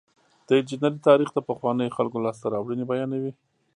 د انجنیری تاریخ د پخوانیو خلکو لاسته راوړنې بیانوي.